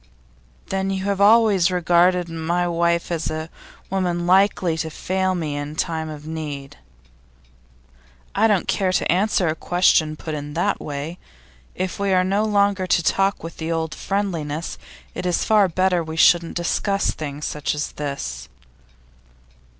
'Then you have always regarded my wife as a woman likely to fail me in time of need?' 'I don't care to answer a question put in that way. If we are no longer to talk with the old friendliness, it's far better we shouldn't discuss things such as this.